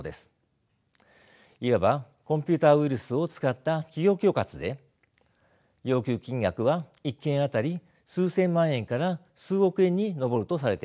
いわばコンピューターウイルスを使った企業恐喝で要求金額は１件当たり数千万円から数億円に上るとされています。